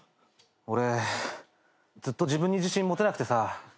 俺ずっと自分に自信持てなくてさ。